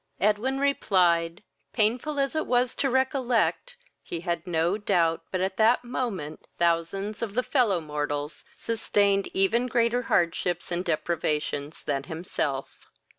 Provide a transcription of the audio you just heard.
Edwin replied, painful as it was to recollect, he had no doubt but at that moment thousands of the fellow mortals sustained even greater hardships and deprivations than himself.